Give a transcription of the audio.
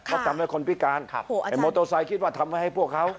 เขาทำให้คนพิการมอเตอร์ไซค์คิดว่าทำไว้ให้พวกเขา